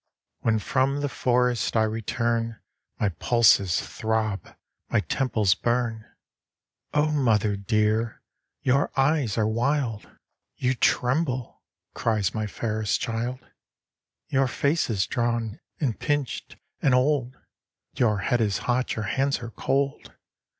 iv. When from the forest I return, My pulses throb, my temples burn. " O Mother dear, your eyes are wild ; 9 THE WOOD DEMON. You tremble," cries my fairest child. "Your face is drawn and pinched and old ; Your head is hot, your hands are cold.